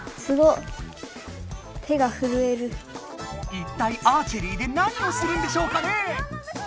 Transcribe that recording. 一体アーチェリーで何をするんでしょうかね。